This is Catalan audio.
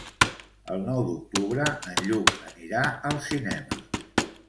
El nou d'octubre en Lluc anirà al cinema.